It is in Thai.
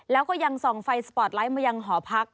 แล้วก็ยังส่องไฟสปอร์ตไลท์มายังหอพัก